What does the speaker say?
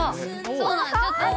そうなんです。